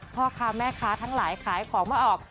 พ่อค้าแม่ค้าทั้งหลายขายของมาออก